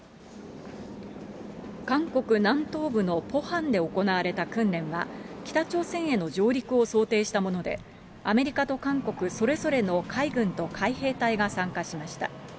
韓国南東部のポハンで行われた訓練は、北朝鮮への上陸を想定したもので、アメリカと韓国、それぞれの海軍と海兵隊が参加しました。